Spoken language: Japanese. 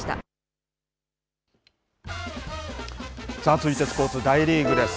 続いてスポーツ、大リーグです。